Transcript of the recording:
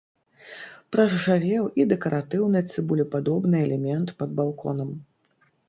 Праржавеў і дэкаратыўны цыбулепадобны элемент пад балконам.